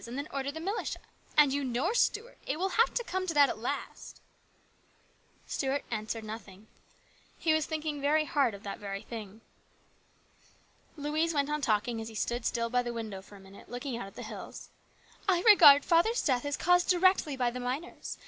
41 and then order the militia. And you know, Stuart, it will have to come to that at last." Stuart answered nothing. He was thinking hard of that very thing. Louise went on talking while he stood still by the window for a minute looking out at the hills. " I regard father's death as caused directly by the miners.